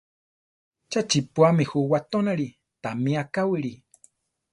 ¡Cha chiʼpúami ju watónali! Támi akáwili!